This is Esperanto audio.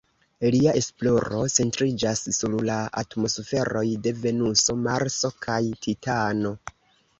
Lia esploro centriĝas sur la atmosferoj de Venuso, Marso kaj Titano.